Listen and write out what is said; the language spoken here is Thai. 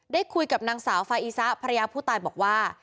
ได้คุยกับนางสาวฟาอีซะภรรยาผู้ตายบอกว่า